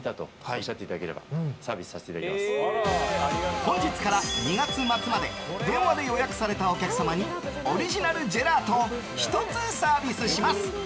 本日から２月末まで電話で予約されたお客様にオリジナルジェラートを１つサービスします。